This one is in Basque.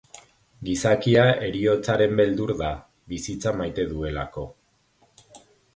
Gizakia heriotzaren beldur da, bizitza maite duelako.